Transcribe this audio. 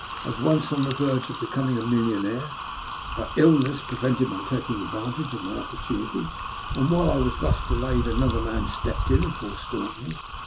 I was once on the verge of becoming a millionaire, but ill ness prevented my taking advantage of my oppor tunity; and while I was thus delayed another man stepped in and forestalled me.